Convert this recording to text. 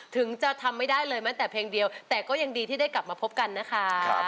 ถึงจะทำไม่ได้เลยแม้แต่เพลงเดียวแต่ก็ยังดีที่ได้กลับมาพบกันนะคะ